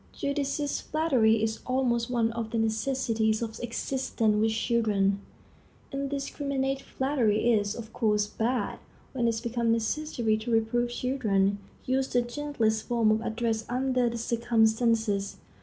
Judicious flattery is almost one of the necessities of existence with children. Indiscriminate flattery is, of course, bad. When it becomes necessary to reprove children, use the gentlest form of address under the circumstances.